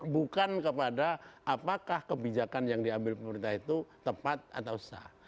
bukan kepada apakah kebijakan yang diambil pemerintah itu tepat atau sah